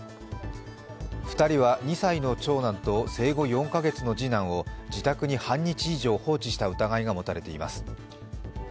２人は、２歳の長男と生後４カ月の次男を自宅に半日以上放置した疑いが持たれています。